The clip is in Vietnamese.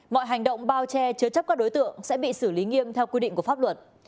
mọi hành động bao che chứa chấp các đối tượng sẽ bị xử lý nghiêm theo quy định của pháp luật